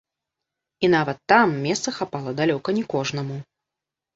І нават там месца хапала далёка не кожнаму.